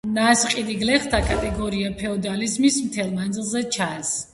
ნასყიდი გლეხთა კატეგორია ფეოდალიზმის მთელ მანძილზე ჩანს.